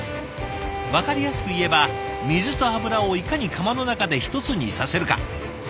分かりやすく言えば水と油をいかに釜の中で一つにさせるか。